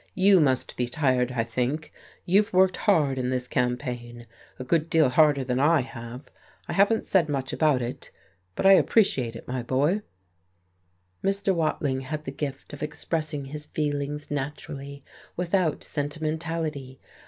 You must be tired, I think, you've worked hard in this campaign, a good deal harder than I have. I haven't said much about it, but I appreciate it, my boy." Mr. Watling had the gift of expressing his feelings naturally, without sentimentality.